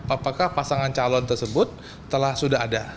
apakah pasangan calon tersebut telah sudah ada